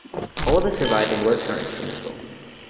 All of his surviving works are instrumental.